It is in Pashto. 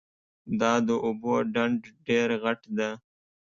دا د اوبو ډنډ ډېر غټ ده